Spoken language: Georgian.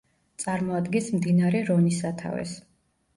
წარმოადგენს მდინარე რონის სათავეს.